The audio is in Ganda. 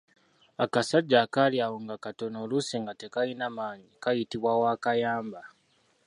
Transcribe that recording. Akasajja akali awo nga katono oluusi nga tekalina maanyi kayitibwa Wakayamba.